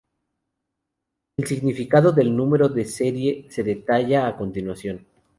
El significado del número de serie se detalla a continuación.